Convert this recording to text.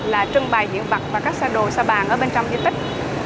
là trưng bày diện vật và các xa đồ xa bàn ở bên trong di tích